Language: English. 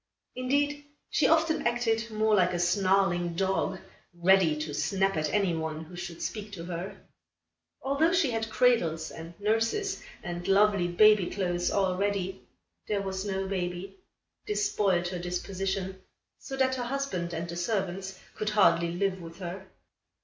Indeed, she often acted more like a snarling dog, ready to snap at any one who should speak to her. Although she had cradles and nurses and lovely baby clothes all ready, there was no baby. This spoiled her disposition, so that her husband and the servants could hardly live with her.